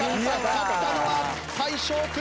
勝ったのは大昇君。